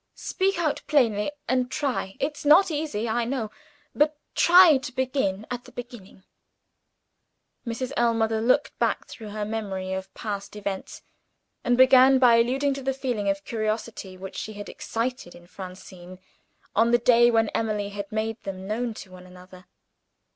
"Speak out plainly; and try it's not easy, I know but try to begin at the beginning." Mrs. Ellmother looked back through her memory of past events, and began by alluding to the feeling of curiosity which she had excited in Francine, on the day when Emily had made them known to one another.